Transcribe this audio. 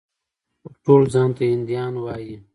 خو ټول ځان ته هندیان وايي.